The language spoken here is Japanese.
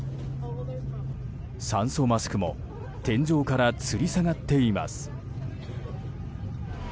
酸素マスクも天井からつり下がっています。